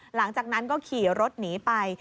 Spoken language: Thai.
หลังจากนั้นก็ขี่รถหนีไป